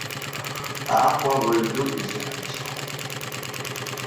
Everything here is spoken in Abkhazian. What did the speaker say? Аҟәа уаҩ дук изыҳәан исҭахуп.